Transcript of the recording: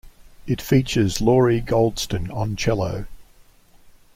It features Lori Goldston on cello.